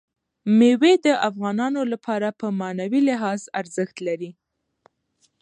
مېوې د افغانانو لپاره په معنوي لحاظ ارزښت لري.